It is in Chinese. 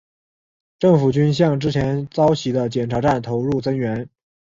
政府军向之前遭袭的检查站投入增援。